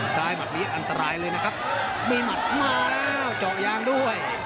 หมัดนี้อันตรายเลยนะครับมีหมัดมาแล้วเจาะยางด้วย